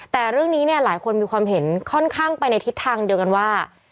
แต่เรื่องนี้เนี่ยหลายคนมีความเห็นค่อนข้างไปในทิศทางเดียวกันว่า